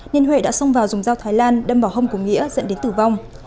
nên huệ đã xông vào dùng dao thái lan đâm vào hông của nghĩa dẫn đến tử vong